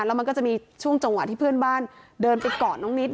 แล้วมันก็จะมีช่วงจังหวะที่เพื่อนบ้านเดินไปกอดน้องนิด